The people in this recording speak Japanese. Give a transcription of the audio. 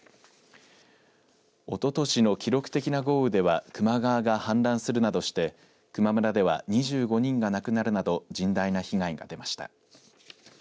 おととしの記録的な豪雨では球磨川が氾濫するなどして球磨村では２５人が亡くなるなど甚大な被害が出ました。